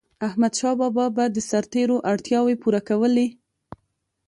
احمدشاه بابا به د سرتيرو اړتیاوي پوره کولي.